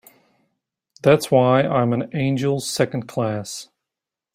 That's why I'm an angel Second Class.